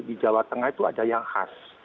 di jawa tengah itu ada yang khas